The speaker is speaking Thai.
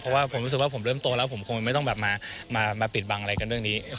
เพราะว่าผมรู้สึกว่าผมเริ่มโตแล้วผมคงไม่ต้องแบบมาปิดบังอะไรกันเรื่องนี้